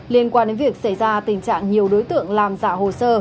liên quan đến việc xảy ra tình trạng nhiều đối tượng làm giả hồ sơ